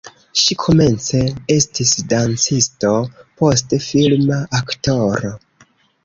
Ŝi komence estis dancisto, poste filma aktoro.